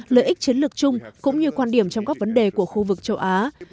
lợi ích chiến lược chung cũng như quan điểm trong các vấn đề của khu vực châu á